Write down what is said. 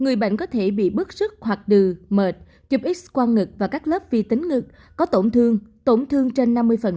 người bệnh có thể bị bức sức hoặc đừ mệt chụp x quang ngực và các lớp vi tính ngực có tổn thương tổn thương trên năm mươi